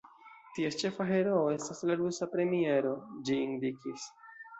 Ties ĉefa heroo estas la rusa premiero," ĝi indikis.